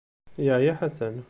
Yeɛya Ḥasan.